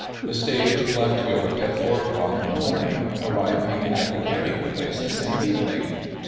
The stage left York at four o'clock in the morning, arriving at the Carrying Place the same evening.